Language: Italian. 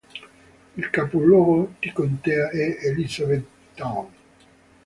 Il capoluogo di contea è Elizabethtown.